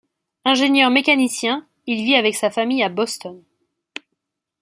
Ingénieur mécanicien, il vit avec sa famille à Boston.